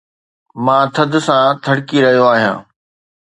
مان ٿڌ سان ٿڙڪي رهيو آهيان